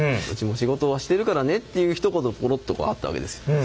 「うちも仕事はしてるからね」というひと言ポロッとあったわけですよ。